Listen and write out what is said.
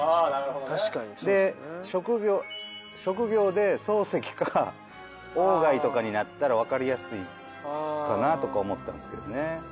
で職業で漱石か鴎外とかになったら分かりやすいかなとか思ったんですけどね。